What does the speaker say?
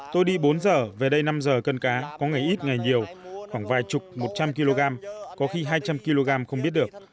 tôi đi bốn giờ về đây năm giờ cân cá có ngày ít ngày nhiều khoảng vài chục một trăm linh kg có khi hai trăm linh kg không biết được